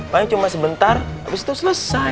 paling cuma sebentar abis itu selesai